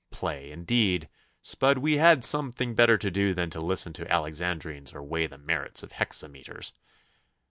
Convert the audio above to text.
Play, indeed! S'bud, we had something better to do than to listen to alexandrines or weigh the merits of hexameters!